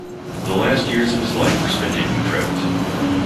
The last years of his life were spent in Utrecht.